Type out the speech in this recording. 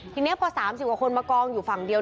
ทีนี้พอ๓๐กว่าคนมากองอยู่ฝั่งเดียว